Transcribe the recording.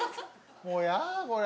もうやだこれ。